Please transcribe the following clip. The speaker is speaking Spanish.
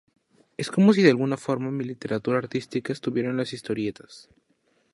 Es como si de alguna forma mi literatura artística estuviera en las historietas.